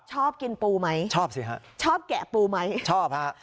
ชอบกินปูไหมชอบสิฮะชอบแกะปูไหมชอบฮะ